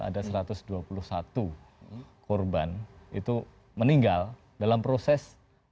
ada satu ratus dua puluh satu korban itu meninggal dalam proses